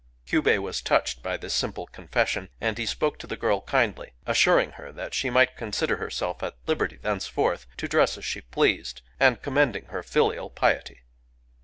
Kyubei was touched by this simple confession; and he spoke to the girl kindly, — assuring her that she might consider herself at liberty thence forth to dress as she pleased, and commending her filial piety.